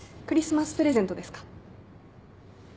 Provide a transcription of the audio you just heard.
クリスマスプレゼントですか？